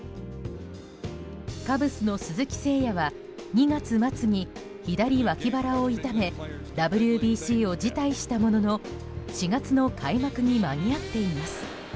カブスの鈴木誠也は２月末に左脇腹を痛めＷＢＣを辞退したものの４月の開幕に間に合っています。